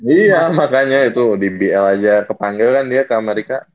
iya makanya itu di bl aja kepanggil kan dia kak marika